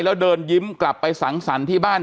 แล้วเดินยิ้มกลับไปสังสรรค์ที่บ้าน